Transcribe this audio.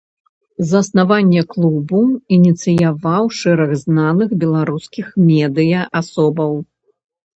Заснаванне клубу ініцыяваў шэраг знаных беларускіх медыя-асобаў.